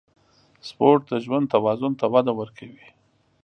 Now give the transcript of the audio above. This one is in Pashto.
سپورت د ژوند توازن ته وده ورکوي.